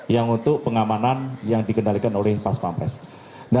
yang untuk pengamanan yang dikendalikan oleh pasukan presiden